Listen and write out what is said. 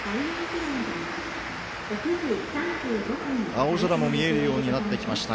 青空も見えるようになってきました。